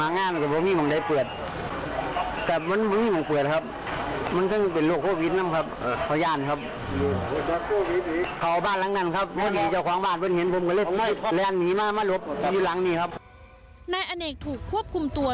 นายอเนกถูกควบคุมตัว